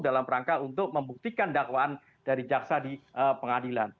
dalam rangka untuk membuktikan dakwaan dari jaksa di pengadilan